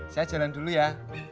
saya jalan dulu ya